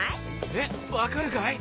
えっ分かるかい？